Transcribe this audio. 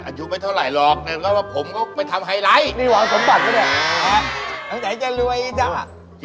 อายุไม่เท่าไหร่หรอกผมก็ไปทำไฮไลท์